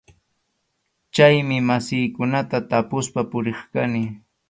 Chaymi masiykunata tapuspa puriq kani.